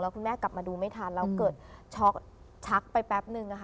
คุณแม่กลับมาดูไม่ทันแล้วเกิดช็อกชักไปแป๊บนึง